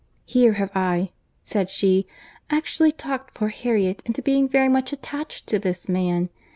"Here have I," said she, "actually talked poor Harriet into being very much attached to this man.